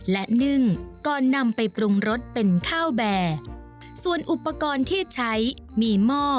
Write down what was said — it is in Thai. และนึ่งก่อนนำไปปรุงรสเป็นข้าวแบร์ส่วนอุปกรณ์ที่ใช้มีหม้อ